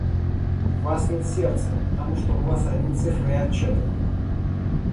В Вас нет сердца, потому что у Вас одни цифры и отчеты!